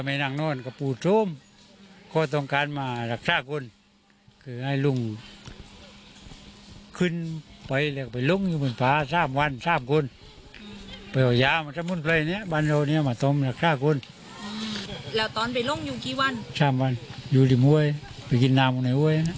แล้วตอนไปร่งอยู่กี่วันสามวันอยู่ที่ม่วยไปกินน้ำของในม่วย